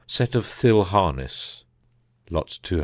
Set of thill harness. Lot 201.